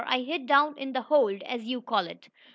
I hid down in the 'hold,' as you call it.